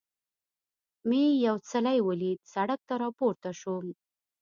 مې یو څلی ولید، سړک ته را پورته شوم.